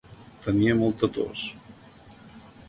Tenia molta tos.